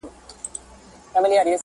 هغه په هره بده پېښه کي بدنام سي ربه~